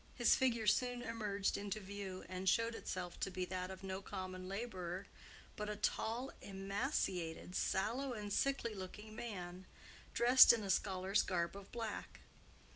His figure soon emerged into view, and showed itself to be that of no common laborer, but a tall, emaciated, sallow, and sickly looking man, dressed in a scholar's garb of black.